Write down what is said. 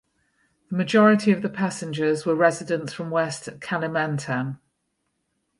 The majority of the passengers were residents from West Kalimantan.